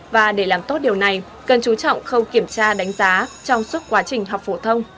và để làm tốt điều này cần chú trọng không kiểm tra đánh giá trong suốt quá trình học phổ thông